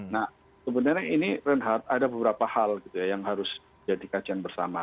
nah sebenarnya ini ada beberapa hal yang harus dikajian bersama